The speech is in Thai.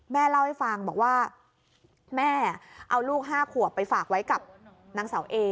แม่เล่าให้ฟังบอกว่าแม่เอาลูก๕ขวบไปฝากไว้กับนางเสาเอ